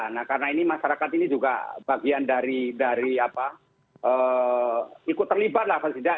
nah karena ini masyarakat ini juga bagian dari ikut terlibat